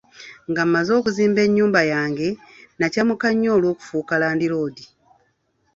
Nga mmaze okuzimba ennyumba yange, nakyamuka nnyo olw'okufuuka landiroodi.